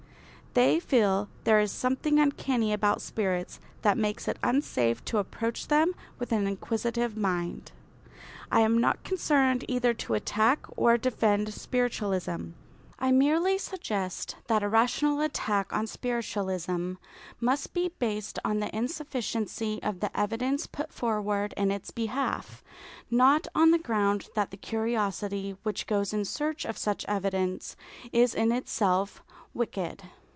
They feel there is something uncanny about spirits that makes it unsafe to approach them with an inquisitive mind. I am not concerned either to attack or defend Spiritualism. I merely suggest that a rational attack on Spiritualism must be based on the insufficiency of the evidence put forward in its behalf, not on the ground that the curiosity which goes in search of such evidence is in itself wicked.